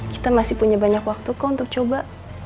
kita masih punya banyak waktu kok untuk coba